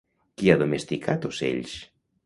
Qui ha domesticat ocells?